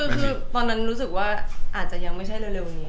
คือตอนนั้นรู้สึกว่าอาจจะยังไม่ใช่เร็วนี้